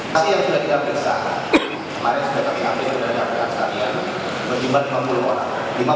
saksi yang sudah kita periksa kemarin sudah kami ambil dari kabupaten sarian